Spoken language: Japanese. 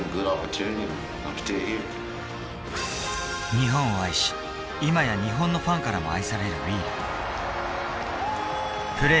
日本を愛し、今や日本のファンからも愛されるウィーラー。